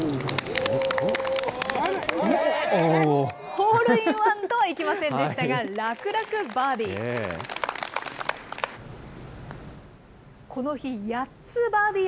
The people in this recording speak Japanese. ホールインワンとはいきませんでしたが、楽々バーディー。